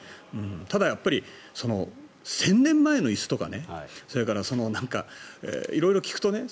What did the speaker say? ただ、やっぱり１０００年前の椅子とか色々聞くとね